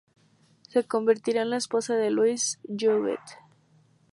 Se convertirá en la esposa de Louis Jouvet.